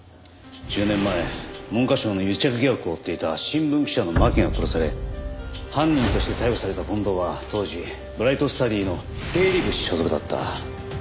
１０年前文科省の癒着疑惑を追っていた新聞記者の巻が殺され犯人として逮捕された近藤は当時ブライトスタディの経理部所属だった。